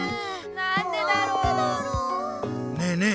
ねえねえ